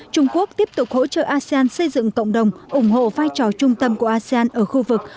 trung quốc tiếp tục hỗ trợ asean xây dựng cộng đồng ủng hộ vai trò trung tâm của asean ở khu vực